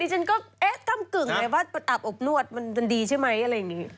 ฉันก็เอ๊ะก้ำกึ่งเลยว่าอาบอบนวดมันดีใช่ไหมอะไรอย่างนี้